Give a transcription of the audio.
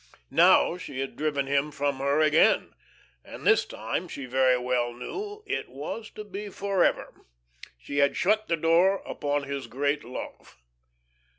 Now she had driven him from her again, and this time, she very well knew, it was to be forever. She had shut the door upon this great love.